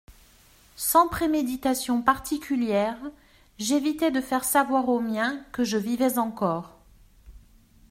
Sans préméditation particulière, j’évitai de faire savoir aux miens que je vivais encore.